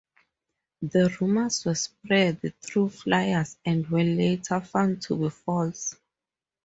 The rumors were spread through flyers and were later found to be false.